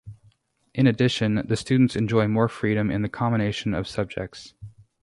In addition, the students enjoy more freedom in the combination of subjects.